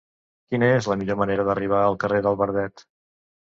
Quina és la millor manera d'arribar al carrer del Verdet?